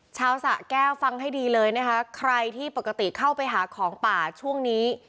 สะแก้วฟังให้ดีเลยนะคะใครที่ปกติเข้าไปหาของป่าช่วงนี้